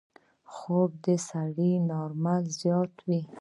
خوب د سړي نرموالی زیاتوي